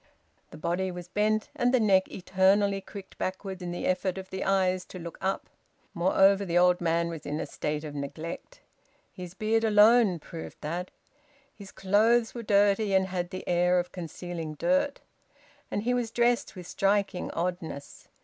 The body was bent, and the neck eternally cricked backward in the effort of the eyes to look up. Moreover the old man was in a state of neglect. His beard alone proved that. His clothes were dirty and had the air of concealing dirt. And he was dressed with striking oddness.